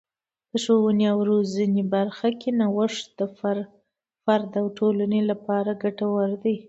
د ښوونې او روزنې برخه کې نوښت د فرد او ټولنې لپاره ګټور دی.